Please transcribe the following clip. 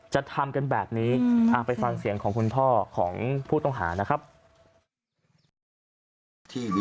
จะทำกันแบบนี้ไปฟังเสียงของคุณพ่อของผู้ต้องหานะครับ